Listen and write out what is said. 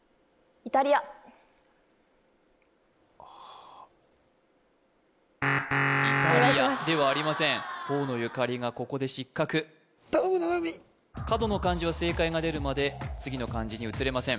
イタリアではありません河野ゆかりがここで失格頼む七海角の漢字は正解が出るまで次の漢字に移れません